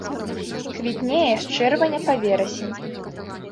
Квітнее з чэрвеня па верасень.